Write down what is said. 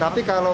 tapi kalau masih